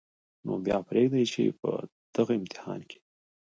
نو بیا پرېږدئ چې په دغه امتحان کې